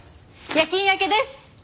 夜勤明けです。